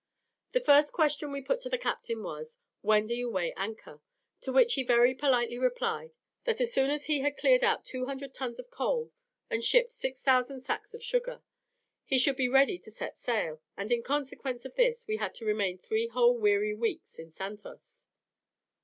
The first question we put to the captain was: "When do you weigh anchor?" to which he very politely replied, that as soon as he had cleared out 200 tons of coal, and shipped 6,000 sacks of sugar, he should be ready to set sail, and in consequence of this we had to remain three whole weary weeks in Santos.